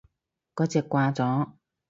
嗰隻掛咗